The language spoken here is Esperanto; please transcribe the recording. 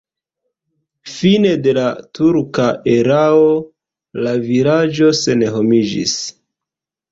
Fine de la turka erao la vilaĝo senhomiĝis.